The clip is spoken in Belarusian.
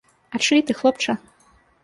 А чый ты, хлопча?